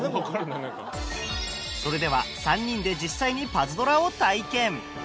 それでは３人で実際に『パズドラ』を体験！